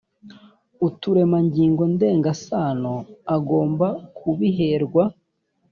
uturemangingo ndengasano agomba kubiherwa